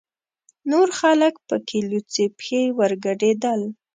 نور خلک پکې لوڅې پښې ورګډېدل.